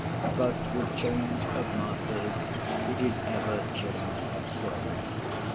But with change of masters it is ever change of service.